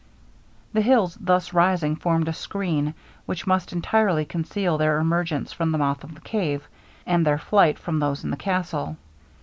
The hills thus rising formed a screen which must entirely conceal their emergence from the mouth of the cave, and their flight, from those in the castle.